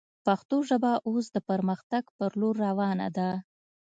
پښتو ژبه اوس د پرمختګ پر لور روانه ده